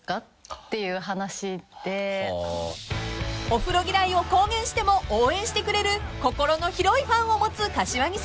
［お風呂嫌いを公言しても応援してくれる心の広いファンを持つ柏木さん］